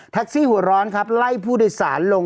ทักซี่หัวร้อนครับใล่ผู้โดยสารลง